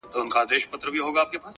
هوښیار انسان له تجربو خزانه جوړوي.